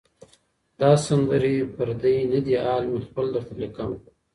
دا سندري پردۍ نه دي حال مي خپل درته لیکمه.